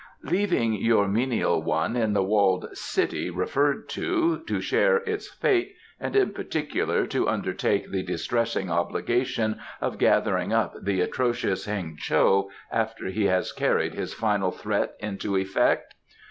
"Leaving your menial one in the 'walled city' referred to, to share its fate, and, in particular, to undertake the distressing obligation of gathering up the atrocious Heng cho after he has carried his final threat into effect?